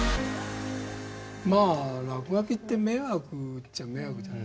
まあ落書きって迷惑っちゃ迷惑じゃない。